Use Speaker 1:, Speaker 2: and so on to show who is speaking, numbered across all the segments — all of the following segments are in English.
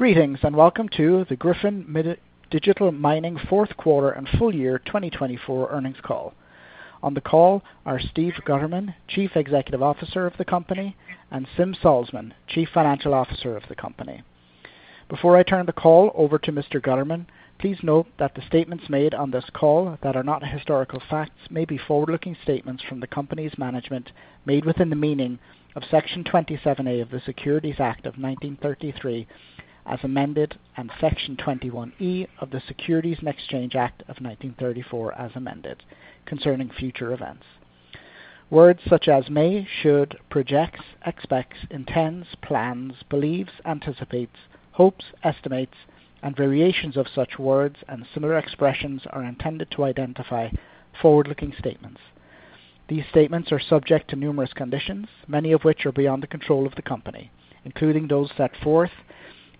Speaker 1: Greetings and welcome to the Gryphon Digital Mining Fourth Quarter and Full Year 2024 Earnings Call. On the call are Steve Gutterman, Chief Executive Officer of the company, and Sim Salzman, Chief Financial Officer of the company. Before I turn the call over to Mr. Gutterman, please note that the statements made on this call that are not historical facts may be forward-looking statements from the company's management made within the meaning of Section 27A of the Securities Act of 1933 as amended and Section 21E of the Securities and Exchange Act of 1934 as amended, concerning future events. Words such as may, should, projects, expects, intends, plans, believes, anticipates, hopes, estimates, and variations of such words and similar expressions are intended to identify forward-looking statements. These statements are subject to numerous conditions, many of which are beyond the control of the company, including those set forth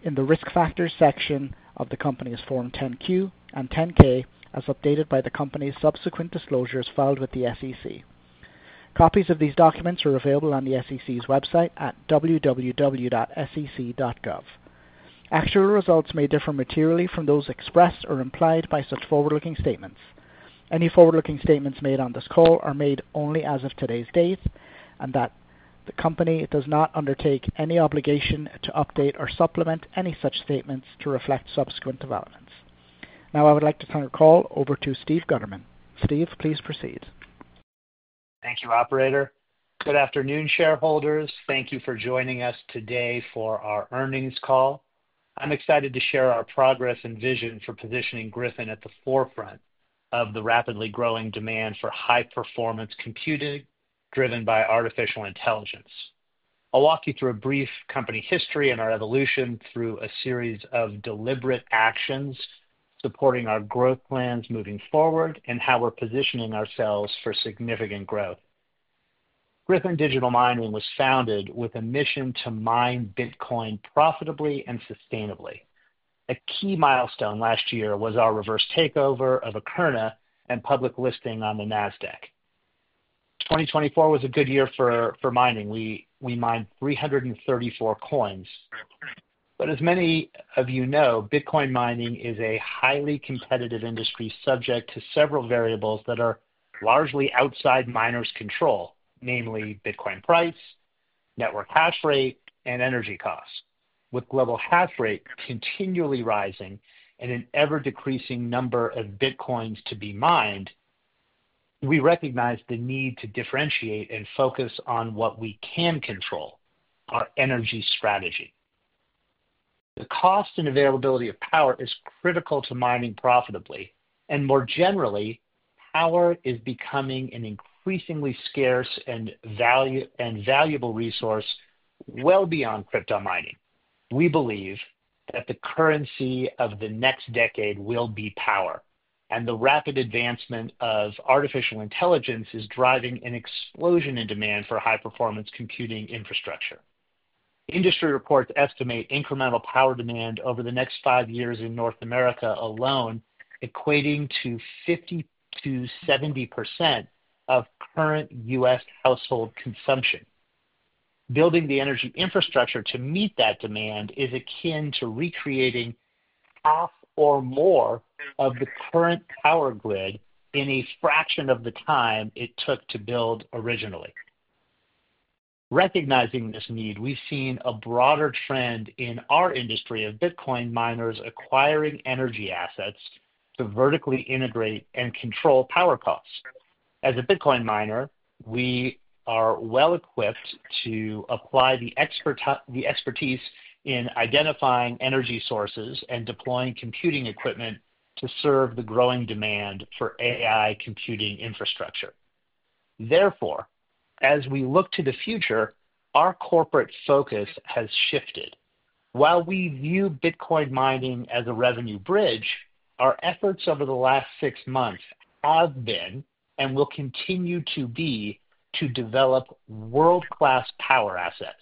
Speaker 1: in the risk factors section of the company's Form 10-Q and 10-K as updated by the company's subsequent disclosures filed with the SEC. Copies of these documents are available on the SEC's website at www.sec.gov. Actual results may differ materially from those expressed or implied by such forward-looking statements. Any forward-looking statements made on this call are made only as of today's date and that the company does not undertake any obligation to update or supplement any such statements to reflect subsequent developments. Now, I would like to turn the call over to Steve Gutterman. Steve, please proceed.
Speaker 2: Thank you, Operator. Good afternoon, shareholders. Thank you for joining us today for our earnings call. I'm excited to share our progress and vision for positioning Gryphon at the forefront of the rapidly growing demand for high-performance computing driven by artificial intelligence. I'll walk you through a brief company history and our evolution through a series of deliberate actions supporting our growth plans moving forward and how we're positioning ourselves for significant growth. Gryphon Digital Mining was founded with a mission to mine Bitcoin profitably and sustainably. A key milestone last year was our reverse takeover of Akerna and public listing on the NASDAQ. 2024 was a good year for mining. We mined 334 coins. As many of you know, Bitcoin mining is a highly competitive industry subject to several variables that are largely outside miners' control, namely Bitcoin price, network hash rate, and energy costs. With global hash rate continually rising and an ever-decreasing number of Bitcoins to be mined, we recognize the need to differentiate and focus on what we can control, our energy strategy. The cost and availability of power is critical to mining profitably, and more generally, power is becoming an increasingly scarce and valuable resource well beyond crypto mining. We believe that the currency of the next decade will be power, and the rapid advancement of artificial intelligence is driving an explosion in demand for high-performance computing infrastructure. Industry reports estimate incremental power demand over the next five years in North America alone equating to 50-70% of current U.S. household consumption. Building the energy infrastructure to meet that demand is akin to recreating half or more of the current power grid in a fraction of the time it took to build originally. Recognizing this need, we've seen a broader trend in our industry of Bitcoin miners acquiring energy assets to vertically integrate and control power costs. As a Bitcoin miner, we are well equipped to apply the expertise in identifying energy sources and deploying computing equipment to serve the growing demand for AI computing infrastructure. Therefore, as we look to the future, our corporate focus has shifted. While we view Bitcoin mining as a revenue bridge, our efforts over the last six months have been and will continue to be to develop world-class power assets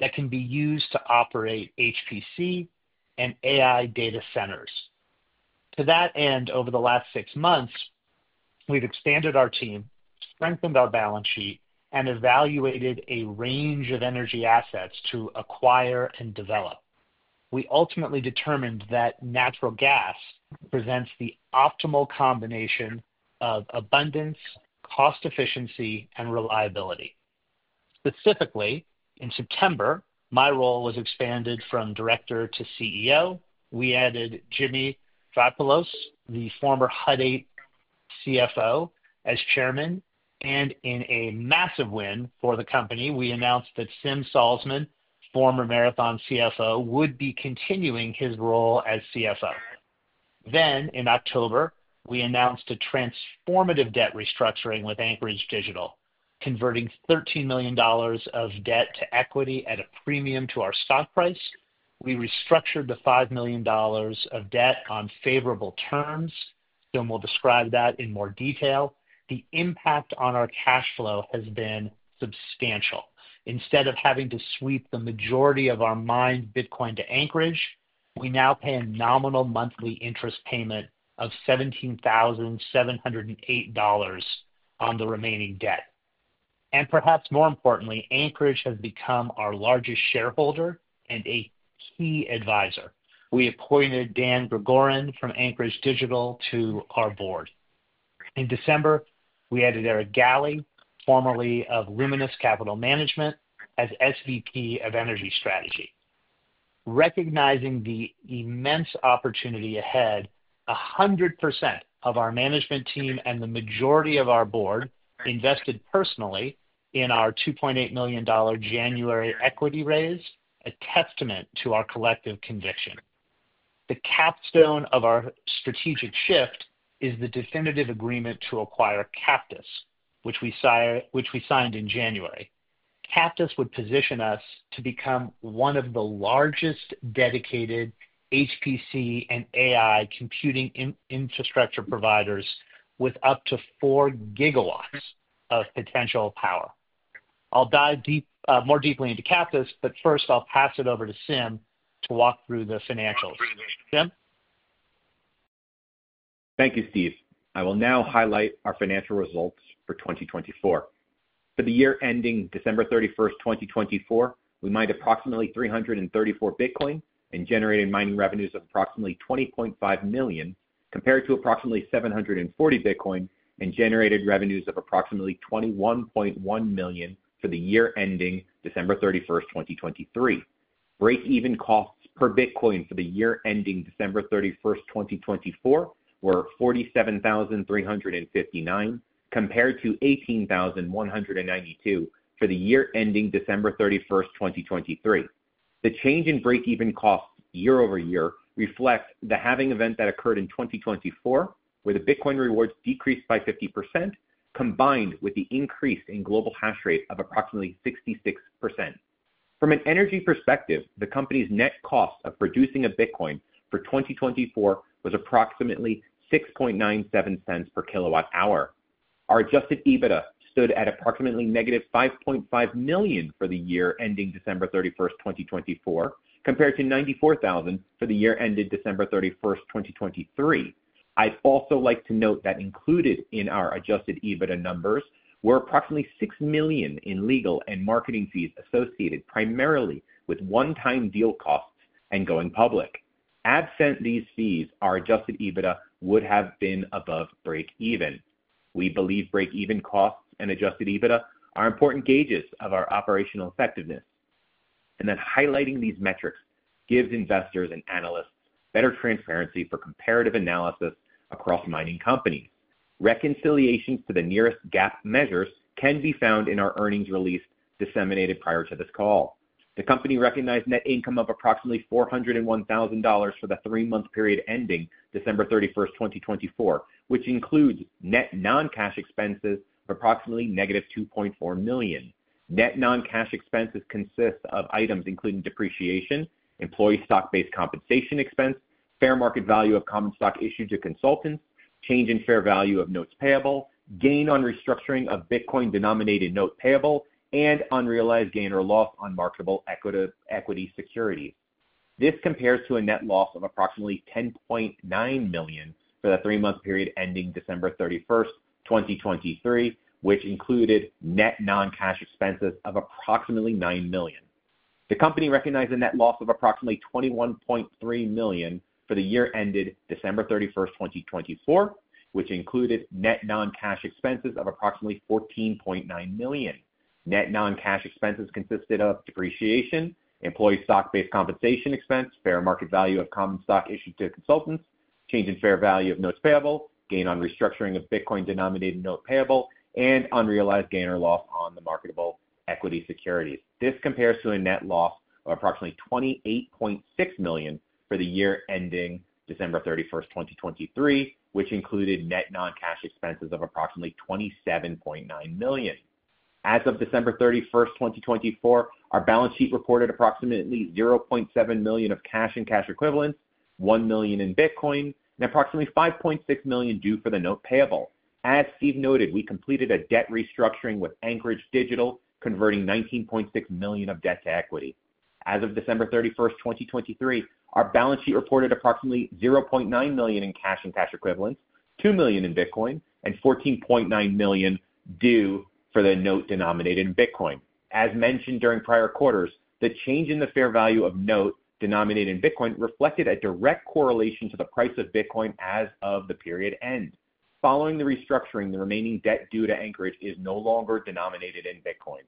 Speaker 2: that can be used to operate HPC and AI data centers. To that end, over the last six months, we've expanded our team, strengthened our balance sheet, and evaluated a range of energy assets to acquire and develop. We ultimately determined that natural gas presents the optimal combination of abundance, cost efficiency, and reliability. Specifically, in September, my role was expanded from Director to CEO. We added Jimmy Vaiopoulos, the former Hut 8 CFO, as Chairman, and in a massive win for the company, we announced that Sim Salzman, former Marathon CFO, would be continuing his role as CFO. In October, we announced a transformative debt restructuring with Anchorage Digital, converting 13 million dollars of debt to equity at a premium to our stock price. We restructured the 5 million dollars of debt on favorable terms. Sim will describe that in more detail. The impact on our cash flow has been substantial. Instead of having to sweep the majority of our mined Bitcoin to Anchorage, we now pay a nominal monthly interest payment of 17,708 dollars on the remaining debt. Perhaps more importantly, Anchorage has become our largest shareholder and a key advisor. We appointed Dan Gregorian from Anchorage Digital to our board. In December, we added Eric Gally, formerly of Luminus Capital Management, as SVP of Energy Strategy. Recognizing the immense opportunity ahead, 100% of our management team and the majority of our board invested personally in our 2.8 million dollar January equity raise, a testament to our collective conviction. The capstone of our strategic shift is the definitive agreement to acquire Captus, which we signed in January. Captus would position us to become one of the largest dedicated HPC and AI computing infrastructure providers with up to 4 gigawatts of potential power. I'll dive more deeply into Captus, but first, I'll pass it over to Sim to walk through the financials. Sim?
Speaker 3: Thank you, Steve. I will now highlight our financial results for 2024. For the year ending December 31, 2024, we mined approximately 334 Bitcoin and generated mining revenues of approximately 20.5 million, compared to approximately 740 Bitcoin and generated revenues of approximately 21.1 million for the year ending December 31, 2023. Break-even costs per Bitcoin for the year ending December 31, 2024, were 47,359, compared to 18,192 for the year ending December 31, 2023. The change in break-even costs year over year reflects the halving event that occurred in 2024, where the Bitcoin rewards decreased by 50%, combined with the increase in global hash rate of approximately 66%. From an energy perspective, the company's net cost of producing a Bitcoin for 2024 was approximately 6.97 cents per kilowatt-hour. Our adjusted EBITDA stood at approximately negative 5.5 million for the year ending December 31, 2024, compared to 94,000 for the year ended December 31, 2023. I'd also like to note that included in our adjusted EBITDA numbers were approximately 6 million in legal and marketing fees associated primarily with one-time deal costs and going public. Absent these fees, our adjusted EBITDA would have been above break-even. We believe break-even costs and adjusted EBITDA are important gauges of our operational effectiveness. Highlighting these metrics gives investors and analysts better transparency for comparative analysis across mining companies. Reconciliations to the nearest GAAP measures can be found in our earnings release disseminated prior to this call. The company recognized net income of approximately 401,000 dollars for the three-month period ending December 31st, 2024, which includes net non-cash expenses of approximately negative 2.4 million. Net non-cash expenses consist of items including depreciation, employee stock-based compensation expense, fair market value of common stock issued to consultants, change in fair value of notes payable, gain on restructuring of Bitcoin-denominated note payable, and unrealized gain or loss on marketable equity securities. This compares to a net loss of approximately 10.9 million for the three-month period ending December 31, 2023, which included net non-cash expenses of approximately 9 million. The company recognized a net loss of approximately 21.3 million for the year ended December 31, 2024, which included net non-cash expenses of approximately 14.9 million. Net non-cash expenses consisted of depreciation, employee stock-based compensation expense, fair market value of common stock issued to consultants, change in fair value of notes payable, gain on restructuring of Bitcoin-denominated note payable, and unrealized gain or loss on the marketable equity securities. This compares to a net loss of approximately 28.6 million for the year ending December 31, 2023, which included net non-cash expenses of approximately 27.9 million. As of December 31, 2024, our balance sheet reported approximately 0.7 million of cash and cash equivalents, 1 million in Bitcoin, and approximately 5.6 million due for the note payable. As Steve noted, we completed a debt restructuring with Anchorage Digital, converting 19.6 million of debt to equity. As of December 31, 2023, our balance sheet reported approximately 0.9 million in cash and cash equivalents, 2 million in Bitcoin, and 14.9 million due for the note denominated in Bitcoin. As mentioned during prior quarters, the change in the fair value of note denominated in Bitcoin reflected a direct correlation to the price of Bitcoin as of the period end. Following the restructuring, the remaining debt due to Anchorage is no longer denominated in Bitcoin.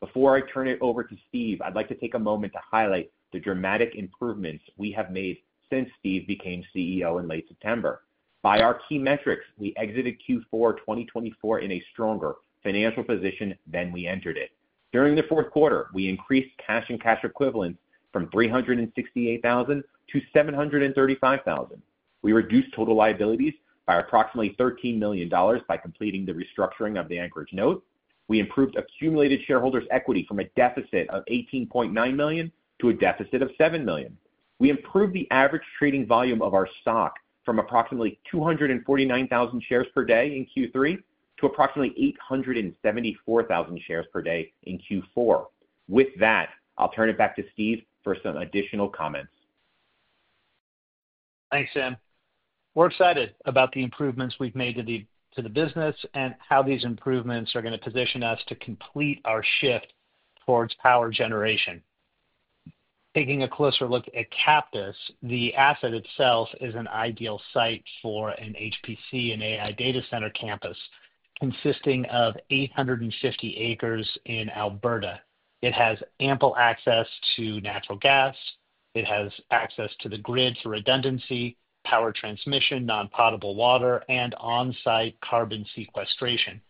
Speaker 3: Before I turn it over to Steve, I'd like to take a moment to highlight the dramatic improvements we have made since Steve became CEO in late September. By our key metrics, we exited Q4 2024 in a stronger financial position than we entered it. During the fourth quarter, we increased cash and cash equivalents from 368,000 to 735,000. We reduced total liabilities by approximately 13 million dollars by completing the restructuring of the Anchorage note. We improved accumulated shareholders' equity from a deficit of 18.9 million to a deficit of 7 million. We improved the average trading volume of our stock from approximately 249,000 shares per day in Q3 to approximately 874,000 shares per day in Q4. With that, I'll turn it back to Steve for some additional comments.
Speaker 2: Thanks, Sim. We're excited about the improvements we've made to the business and how these improvements are going to position us to complete our shift towards power generation. Taking a closer look at Captus, the asset itself is an ideal site for an HPC and AI data center campus consisting of 850 acres in Alberta. It has ample access to natural gas. It has access to the grid for redundancy, power transmission, non-potable water, and on-site carbon sequestration.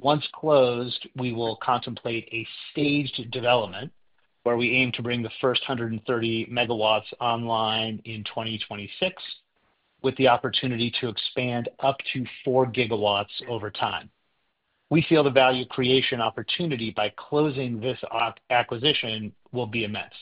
Speaker 2: Once closed, we will contemplate a staged development where we aim to bring the first 130 MW online in 2026, with the opportunity to expand up to 4 gigawatts over time. We feel the value creation opportunity by closing this acquisition will be immense.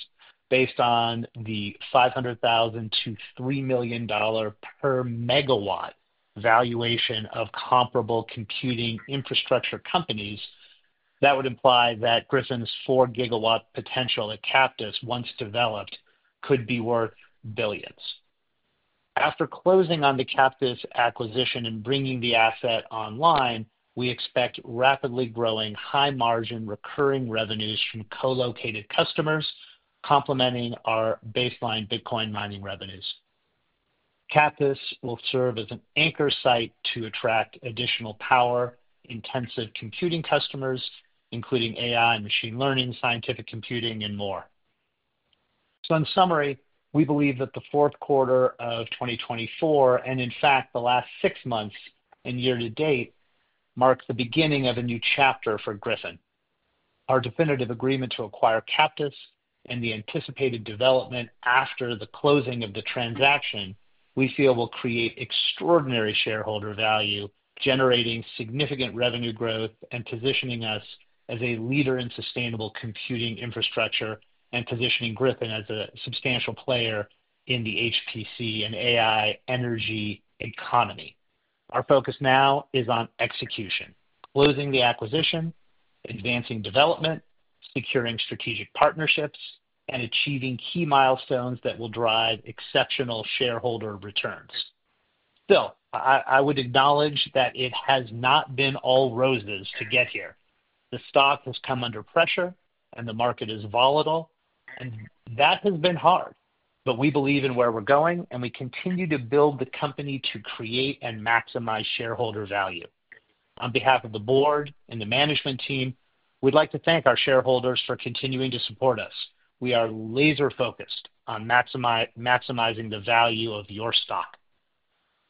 Speaker 2: Based on the 500,000 to 3 million dollar per megawatt valuation of comparable computing infrastructure companies, that would imply that Gryphon's 4-gigawatt potential at Captus, once developed, could be worth billions. After closing on the Captus acquisition and bringing the asset online, we expect rapidly growing high-margin recurring revenues from co-located customers, complementing our baseline Bitcoin mining revenues. Captus will serve as an anchor site to attract additional power-intensive computing customers, including AI and machine learning, scientific computing, and more. In summary, we believe that the fourth quarter of 2024, and in fact, the last six months and year to date, marks the beginning of a new chapter for Gryphon. Our definitive agreement to acquire Captus and the anticipated development after the closing of the transaction, we feel, will create extraordinary shareholder value, generating significant revenue growth and positioning us as a leader in sustainable computing infrastructure and positioning Gryphon as a substantial player in the HPC and AI energy economy. Our focus now is on execution: closing the acquisition, advancing development, securing strategic partnerships, and achieving key milestones that will drive exceptional shareholder returns. I would acknowledge that it has not been all roses to get here. The stock has come under pressure, and the market is volatile, and that has been hard. We believe in where we're going, and we continue to build the company to create and maximize shareholder value. On behalf of the board and the management team, we'd like to thank our shareholders for continuing to support us. We are laser-focused on maximizing the value of your stock.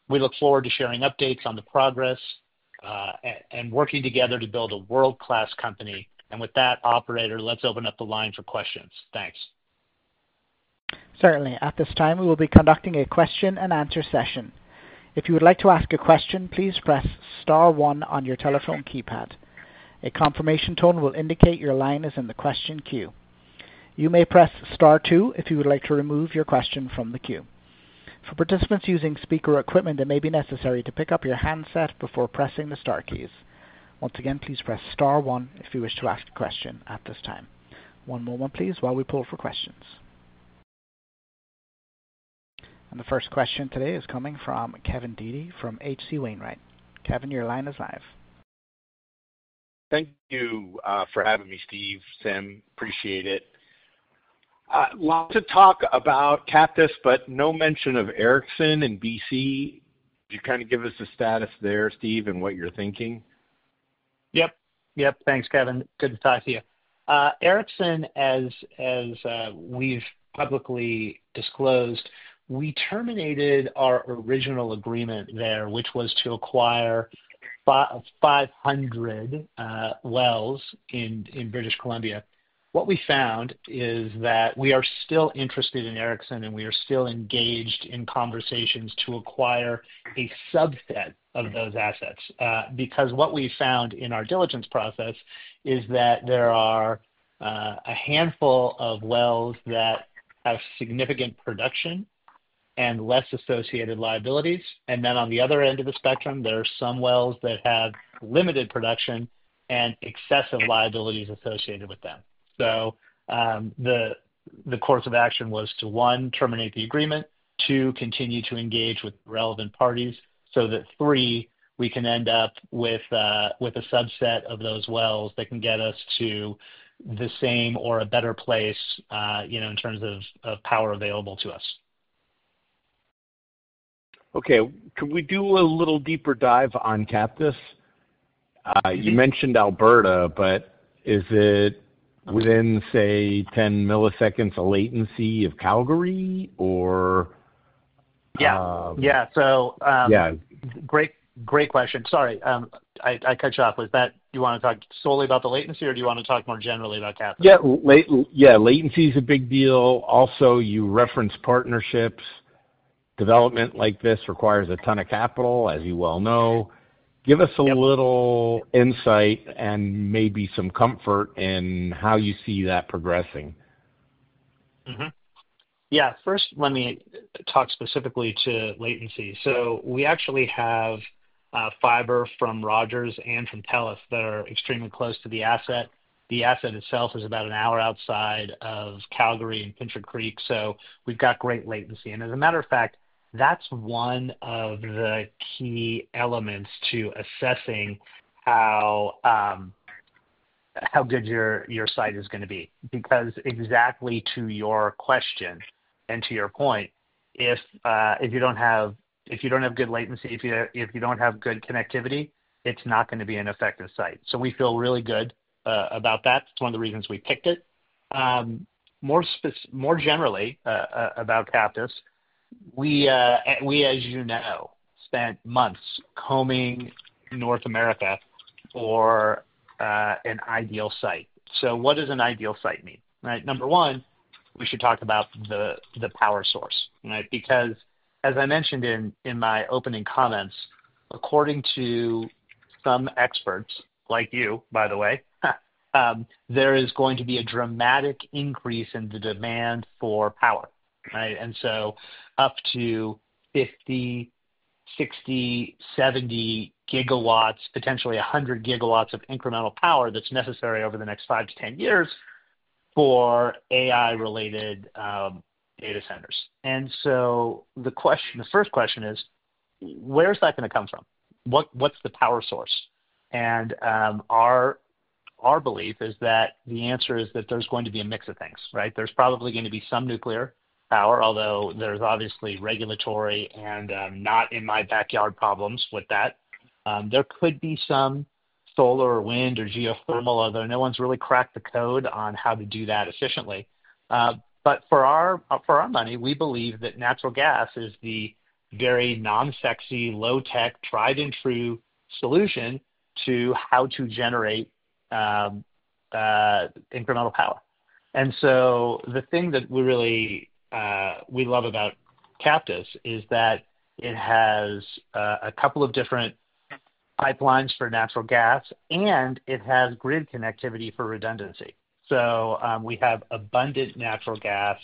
Speaker 2: We look forward to sharing updates on the progress and working together to build a world-class company. With that, Operator, let's open up the line for questions. Thanks.
Speaker 1: Certainly. At this time, we will be conducting a question-and-answer session. If you would like to ask a question, please press Star one on your telephone keypad. A confirmation tone will indicate your line is in the question queue. You may press Star two if you would like to remove your question from the queue. For participants using speaker equipment, it may be necessary to pick up your handset before pressing the Star keys. Once again, please press Star one if you wish to ask a question at this time. One moment, please, while we pull for questions. The first question today is coming from Kevin Dede from H.C. Wainwright. Kevin, your line is live.
Speaker 4: Thank you for having me, Steve. Sim, appreciate it. Lots of talk about Captus, but no mention of Erikson and BC. Could you kind of give us the status there, Steve, and what you're thinking?
Speaker 2: Yep. Yep. Thanks, Kevin. Good to talk to you. Erikson, as we've publicly disclosed, we terminated our original agreement there, which was to acquire 500 wells in British Columbia. What we found is that we are still interested in Erikson, and we are still engaged in conversations to acquire a subset of those assets. What we found in our diligence process is that there are a handful of wells that have significant production and less associated liabilities. On the other end of the spectrum, there are some wells that have limited production and excessive liabilities associated with them. The course of action was to, one, terminate the agreement, two, continue to engage with relevant parties, so that, three, we can end up with a subset of those wells that can get us to the same or a better place in terms of power available to us.
Speaker 4: Okay. Can we do a little deeper dive on Captus? You mentioned Alberta, but is it within, say, 10 milliseconds of latency of Calgary, or?
Speaker 2: Yeah. Yeah. So.
Speaker 4: Yeah.
Speaker 2: Great question. Sorry. I cut you off. Do you want to talk solely about the latency, or do you want to talk more generally about Captus?
Speaker 4: Yeah. Latency is a big deal. Also, you referenced partnerships. Development like this requires a ton of capital, as you well know. Give us a little insight and maybe some comfort in how you see that progressing.
Speaker 2: Yeah. First, let me talk specifically to latency. We actually have fiber from Rogers and from Telus that are extremely close to the asset. The asset itself is about an hour outside of Calgary and Pincher Creek. We have great latency. As a matter of fact, that's one of the key elements to assessing how good your site is going to be. Exactly to your question and to your point, if you do not have good latency, if you do not have good connectivity, it is not going to be an effective site. We feel really good about that. It is one of the reasons we picked it. More generally about Captus, we, as you know, spent months combing North America for an ideal site. What does an ideal site mean? Number one, we should talk about the power source. Because, as I mentioned in my opening comments, according to some experts, like you, by the way, there is going to be a dramatic increase in the demand for power. Up to 50, 60, 70 gigawatts, potentially 100 gigawatts of incremental power that's necessary over the next five to 10 years for AI-related data centers. The first question is, where is that going to come from? What's the power source? Our belief is that the answer is that there's going to be a mix of things. There's probably going to be some nuclear power, although there's obviously regulatory and not-in-my-backyard problems with that. There could be some solar or wind or geothermal, although no one's really cracked the code on how to do that efficiently. For our money, we believe that natural gas is the very non-sexy, low-tech, tried-and-true solution to how to generate incremental power. The thing that we love about Captus is that it has a couple of different pipelines for natural gas, and it has grid connectivity for redundancy. We have abundant natural gas.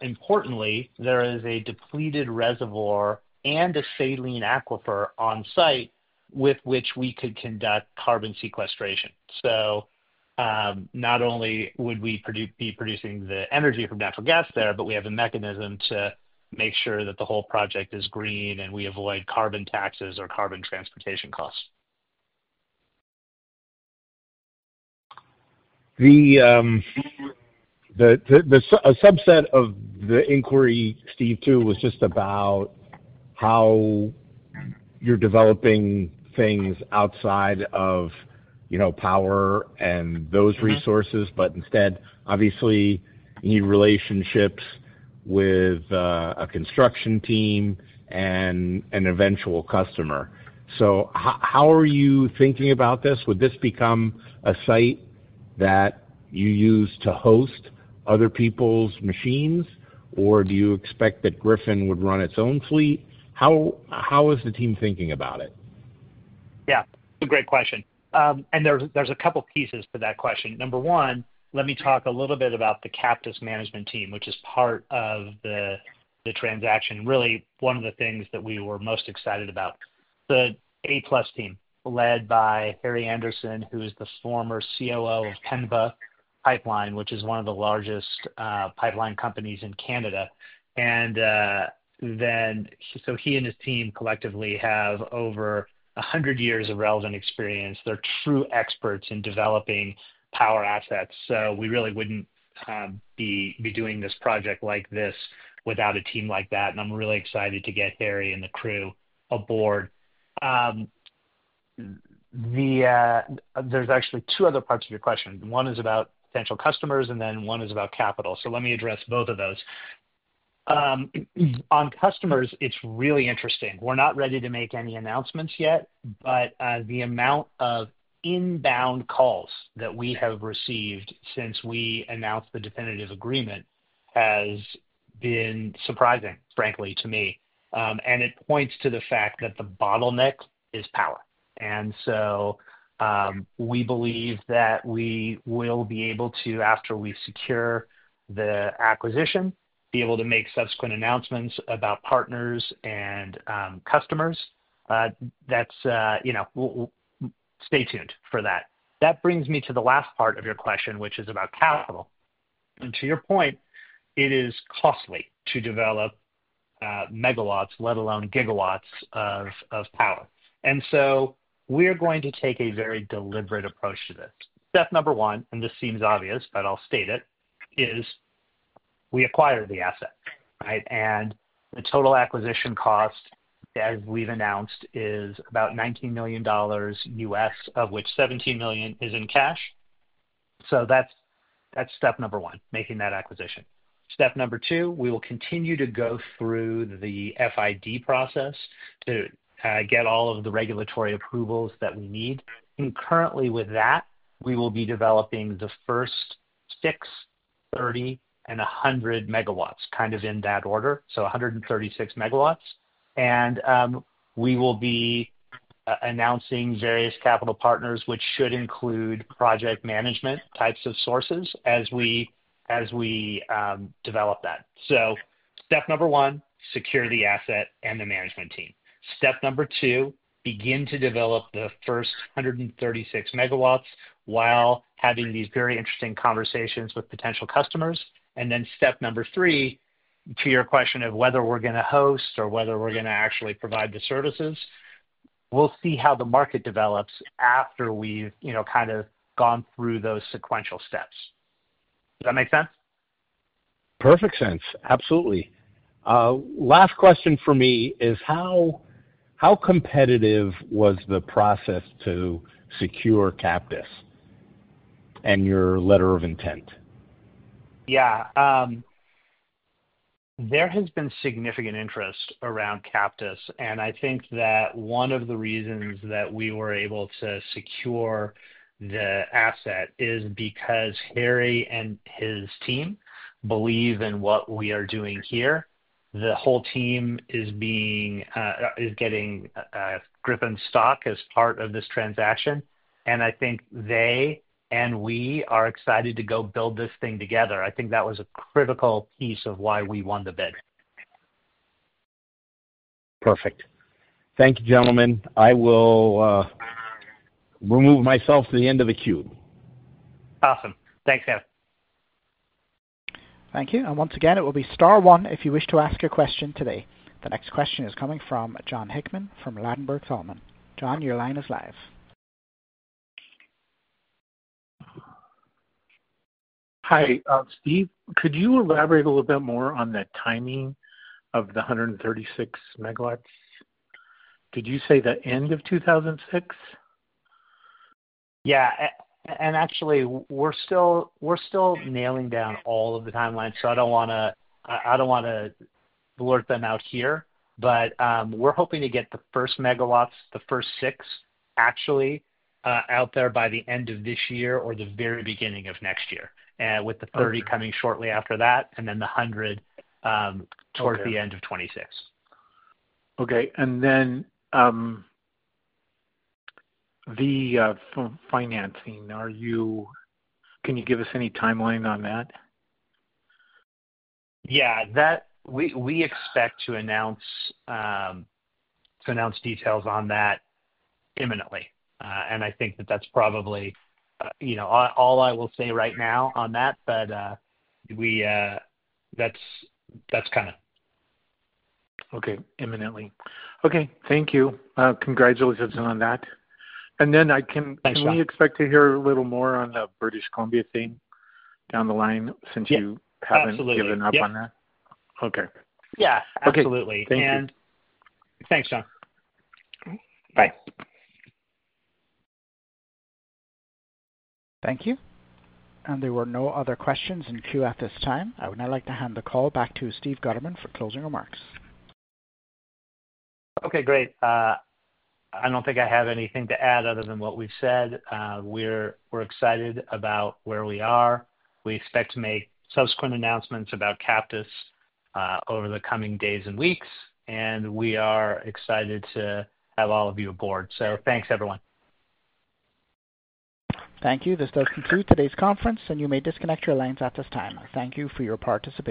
Speaker 2: Importantly, there is a depleted reservoir and a saline aquifer on site with which we could conduct carbon sequestration. Not only would we be producing the energy from natural gas there, but we have a mechanism to make sure that the whole project is green and we avoid carbon taxes or carbon transportation costs.
Speaker 4: A subset of the inquiry, Steve, too, was just about how you're developing things outside of power and those resources, but instead, obviously, any relationships with a construction team and an eventual customer. How are you thinking about this? Would this become a site that you use to host other people's machines, or do you expect that Gryphon would run its own fleet? How is the team thinking about it?
Speaker 2: Yeah. Great question. There are a couple of pieces to that question. Number one, let me talk a little bit about the Captus management team, which is part of the transaction. Really, one of the things that we were most excited about, the A-plus team led by Harry Andersen, who is the former COO of Pembina Pipeline, which is one of the largest pipeline companies in Canada. He and his team collectively have over 100 years of relevant experience. They are true experts in developing power assets. We really would not be doing this project like this without a team like that. I am really excited to get Harry and the crew aboard. There are actually two other parts of your question. One is about potential customers, and one is about capital. Let me address both of those. On customers, it is really interesting. We're not ready to make any announcements yet, but the amount of inbound calls that we have received since we announced the definitive agreement has been surprising, frankly, to me. It points to the fact that the bottleneck is power. We believe that we will be able to, after we secure the acquisition, be able to make subsequent announcements about partners and customers. Stay tuned for that. That brings me to the last part of your question, which is about capital. To your point, it is costly to develop MW, let alone gigawatts, of power. We're going to take a very deliberate approach to this. Step number one, and this seems obvious, but I'll state it, is we acquire the asset. The total acquisition cost, as we've announced, is about 19 million US dollars US, of which 17 million is in cash. That's step number one, making that acquisition. Step number two, we will continue to go through the FID process to get all of the regulatory approvals that we need. Currently, with that, we will be developing the first six, 30, and 100 MW, kind of in that order. So 136 MW. We will be announcing various capital partners, which should include project management types of sources as we develop that. Step number one, secure the asset and the management team. Step number two, begin to develop the first 136 MW while having these very interesting conversations with potential customers. Step number three, to your question of whether we're going to host or whether we're going to actually provide the services, we'll see how the market develops after we've kind of gone through those sequential steps. Does that make sense?
Speaker 4: Perfect sense. Absolutely. Last question for me is, how competitive was the process to secure Captus and your letter of intent?
Speaker 2: Yeah. There has been significant interest around Captus. I think that one of the reasons that we were able to secure the asset is because Harry and his team believe in what we are doing here. The whole team is getting Gryphon's stock as part of this transaction. I think they and we are excited to go build this thing together. I think that was a critical piece of why we won the bid.
Speaker 4: Perfect. Thank you, gentlemen. I will remove myself to the end of the queue.
Speaker 2: Awesome. Thanks, Kevin.
Speaker 1: Thank you. Once again, it will be Star one if you wish to ask a question today. The next question is coming from Jon Hickman from Ladenburg Thalmann. Jon, your line is live.
Speaker 5: Hi, Steve. Could you elaborate a little bit more on the timing of the 136 MW? Did you say the end of 2026?
Speaker 2: Yeah. Actually, we're still nailing down all of the timelines. I don't want to blurt them out here. We're hoping to get the first MW, the first six, actually out there by the end of this year or the very beginning of next year, with the 30 coming shortly after that, and then the 100 towards the end of 2026.
Speaker 5: Okay. The financing, can you give us any timeline on that?
Speaker 2: Yeah. We expect to announce details on that imminently. I think that that's probably all I will say right now on that, but that's kind of.
Speaker 5: Okay. Imminently. Okay. Thank you. Congratulations on that. I can.
Speaker 2: Thanks, Jon.
Speaker 5: We expect to hear a little more on the British Columbia thing down the line since you haven't given up on that.
Speaker 2: Absolutely.
Speaker 5: Okay.
Speaker 2: Yeah. Absolutely.
Speaker 5: Thanks.
Speaker 2: Thanks, Jon.
Speaker 5: Bye.
Speaker 1: Thank you. There were no other questions in queue at this time. I would now like to hand the call back to Steve Gutterman for closing remarks.
Speaker 2: Okay. Great. I do not think I have anything to add other than what we have said. We are excited about where we are. We expect to make subsequent announcements about Captus over the coming days and weeks. We are excited to have all of you aboard. Thanks, everyone.
Speaker 1: Thank you. This does conclude today's conference, and you may disconnect your lines at this time. Thank you for your participation.